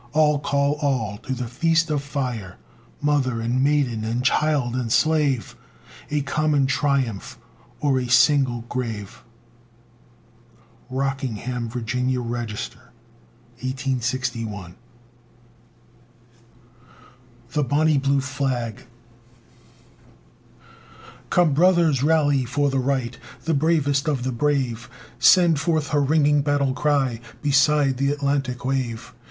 All, call all! to the feast of fire! Mother and maiden, and child and slave, A common triumph or a single grave. Rockingham, Va., Register, 1861. THE BONNIE BLUE FLAG Come, brothers! rally for the right! The bravest of the brave Sends forth her ringing battle cry Beside the Atlantic wave!